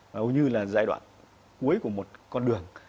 hầu như là giai đoạn cuối của một con đường